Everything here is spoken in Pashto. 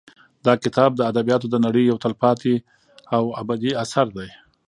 دا کتاب د ادبیاتو د نړۍ یو تلپاتې او ابدي اثر دی.